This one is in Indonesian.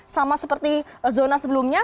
sama seperti zona sebelumnya